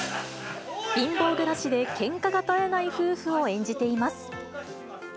貧乏暮らしでけんかが絶えない夫婦を演じています。